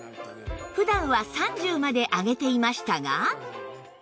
普段は３０まで上げていましたが